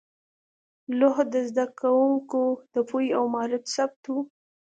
لوحه د زده کوونکو د پوهې او مهارت ثبت وه.